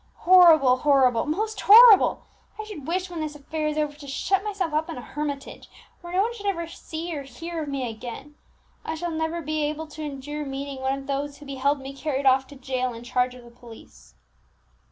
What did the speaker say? Horrible! horrible! most horrible! I should wish, when this affair is over, to shut myself up in a hermitage, where no one should ever see or hear of me again. I shall never be able to endure meeting one of those who beheld me carried off to jail in charge of the police!"